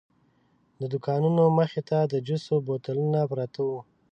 د دوکانونو مخې ته د جوسو بوتلونه پراته وو.